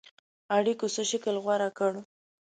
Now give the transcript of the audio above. اړېکو څه شکل غوره کړ.